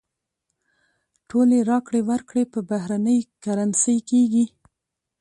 ټولې راکړې ورکړې په بهرنۍ کرنسۍ کېږي.